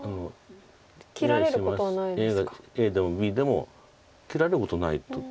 ＡでもＢでも切られることはないですよね。